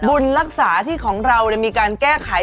บุญรักษาที่ของเรามีการแก้ไข